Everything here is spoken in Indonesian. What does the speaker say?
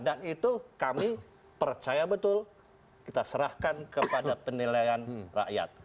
dan itu kami percaya betul kita serahkan kepada penilaian rakyat